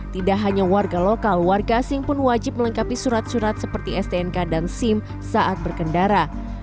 tidak hanya warga lokal warga asing pun wajib melengkapi surat surat seperti stnk dan sim saat berkendara